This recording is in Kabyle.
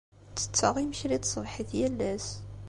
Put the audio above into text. Ttetteɣ imekli n tṣebḥit yal ass.